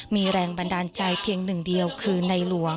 มีแรงบันดาลใจเพียงหนึ่งเดียวคือในหลวง